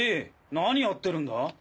何やってるんだ？